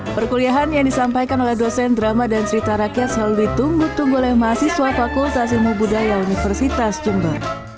perkuliahan yang disampaikan oleh dosen drama dan cerita rakyat selalu ditunggu tunggu oleh mahasiswa fakultas ilmu budaya universitas jember